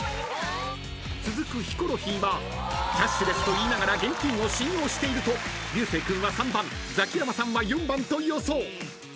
［続くヒコロヒーはキャッシュレスと言いながら現金を信用していると流星君は３番ザキヤマさんは４番と予想］